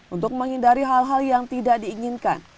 untuk menghindari hal hal yang tidak diinginkan